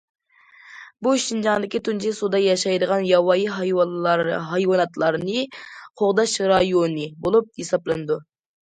بۇ شىنجاڭدىكى تۇنجى سۇدا ياشايدىغان ياۋايى ھايۋاناتلارنى قوغداش رايونى بولۇپ ھېسابلىنىدۇ.